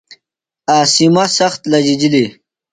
عاصمہ سخت لجِجلیۡ۔